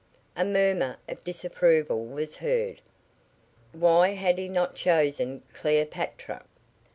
A murmur of disapproval was heard. Why had he not chosen Cleopatra?